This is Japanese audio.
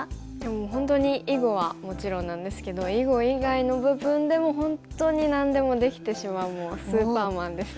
本当に囲碁はもちろんなんですけど囲碁以外の部分でも本当に何でもできてしまうもうスーパーマンですね。